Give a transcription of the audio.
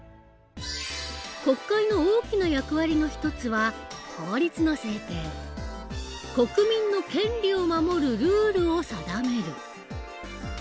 国会の大きな役割の一つは国民の権利を守るルールを定める。